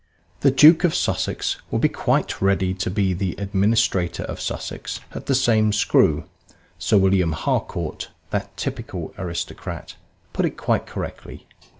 The Duke of Sussex will be quite ready to be Administrator of Sussex at the same screw. Sir William Harcourt, that typical aristocrat, put it quite correctly.